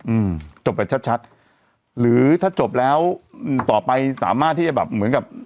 อืมจบแบบชัดชัดหรือถ้าจบแล้วอืมต่อไปสามารถที่จะแบบเหมือนกับ